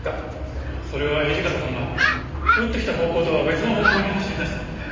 それは土方さんが撃ってきた方向とは別の方向に走り出したんで。